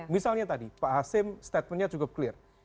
misalnya tadi pak hasim statementnya cukup clear